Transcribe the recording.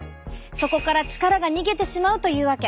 そこから力が逃げてしまうというわけ。